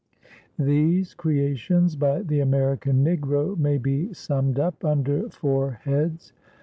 These creations by the American Negro may be summed up under four heads.